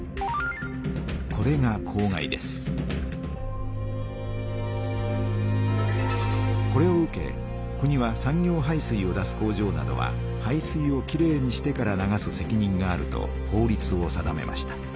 これがこれを受け国は産業排水を出す工場などは排水をきれいにしてから流すせきにんがあると法りつを定めました。